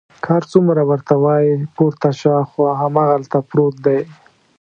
که هر څومره ورته وایي پورته شه، خو هماغلته پروت دی.